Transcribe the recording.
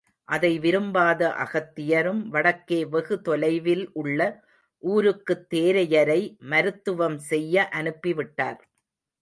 அதை விரும்பாத அகத்தியரும், வடக்கே வெகு தொலைவில் உள்ள ஊருக்குத் தேரையரை மருத்துவம் செய்ய அனுப்பி விட்டார்.